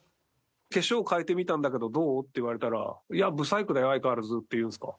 「化粧を変えてみたんだけどどう？」って言われたら「いや不細工だよ相変わらず」って言うんですか？